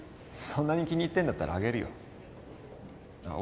そんなに気に入ってるんだったらあげるよああ